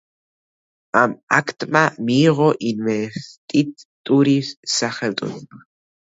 ამ აქტმა მიიღო ინვესტიტურის სახელწოდება.